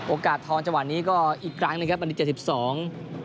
โอกาสทองจังหวัดนี้ก็อีกครั้งเลยครับอันนี้เจ็ดสิบสอง